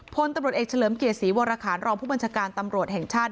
พลตำรวจเอกเฉลิมเกียรติศรีวรคารรองผู้บัญชาการตำรวจแห่งชาติ